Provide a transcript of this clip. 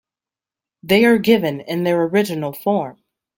They are given in their original form.